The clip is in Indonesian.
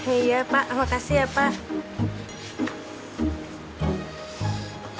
iya pak makasih ya pak